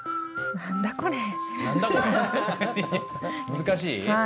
難しい？